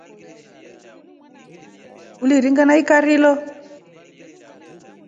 Uliringa na ikira lo.